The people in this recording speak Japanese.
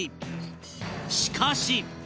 しかし